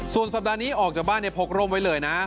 ส่วนสัปดาห์นี้ออกจากบ้านพกร่มไว้เลยนะ